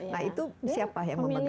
nah itu siapa yang memegang